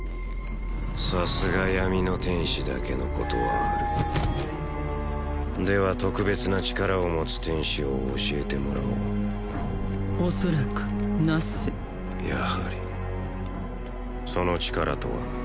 さすが闇の天使だけのことはあるでは特別な力を持つ天使を教えてもらおうおそらくナッセやはりその力とは？